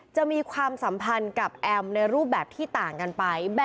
มีความสัมพันธ์กับแอมในรูปแบบที่ต่างกันไป